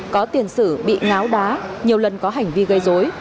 có tiền sử bị ngáo đá nhiều lần có hành vi gây dối